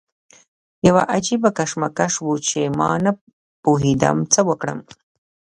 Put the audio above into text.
یو عجیبه کشمکش و چې ما نه پوهېدم څه وکړم.